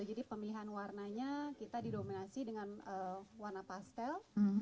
jadi pemilihan warnanya kita didominasi dengan warna pastel